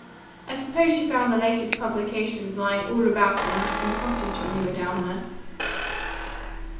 I suppose you found the latest publications lying all about in Lapham cottage when you were down there?"